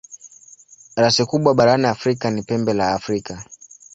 Rasi kubwa barani Afrika ni Pembe la Afrika.